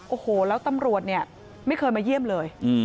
โอ้โหแล้วตำรวจเนี่ยไม่เคยมาเยี่ยมเลย